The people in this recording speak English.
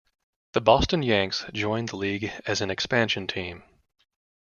The Boston Yanks joined the league as an expansion team.